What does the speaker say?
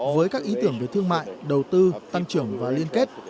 với các ý tưởng về thương mại đầu tư tăng trưởng và liên kết